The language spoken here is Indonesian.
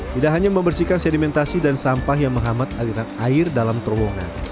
tidak hanya membersihkan sedimentasi dan sampah yang menghambat aliran air dalam terowongan